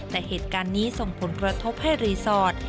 แต่เหตุการณ์นี้ส่งผลกระทบให้รีสอร์ท